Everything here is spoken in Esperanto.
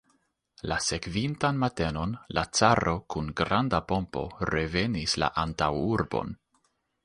La sekvintan matenon la caro kun granda pompo revenis la antaŭurbon.